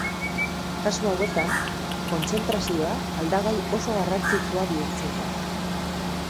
Kasu hauetan, kontzentrazioa aldagai oso garrantzitsua bihurtzen da.